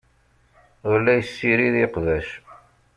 Ur la yessirid iqbac.